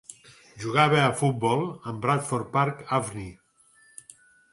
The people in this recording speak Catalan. Jugava a futbol amb Bradford Park Avenue.